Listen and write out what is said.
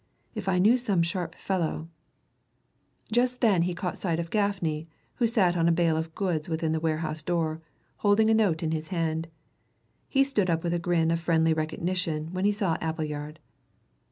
If I knew some sharp fellow " Just then he caught sight of Gaffney, who sat on a bale of goods within the warehouse door, holding a note in his hand. He stood up with a grin of friendly recognition when he saw Appleyard.